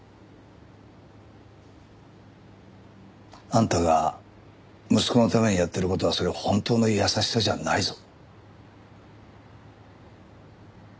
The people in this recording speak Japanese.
あんたが息子のためにやってる事はそれ本当の優しさじゃないぞ。